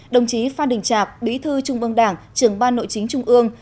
đồng chí phan đình trạc bí thư trung ương đảng trưởng ban nội chính trung ương